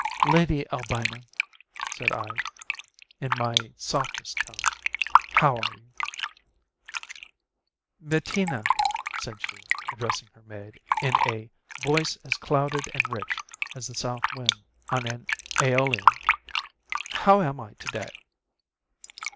"Lady Albina," said I, in my softest tone, "how are you?" "Bettina," said she, addressing her maid in a voice as clouded and rich as the south wind on an Æolian, "how am I to day?"